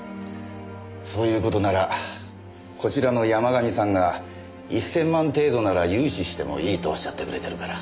そういう事ならこちらの山神さんが１０００万程度なら融資してもいいとおっしゃってくれてるから。